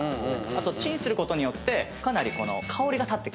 あとチンすることによってかなり香りが立ってくる。